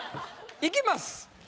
いきます。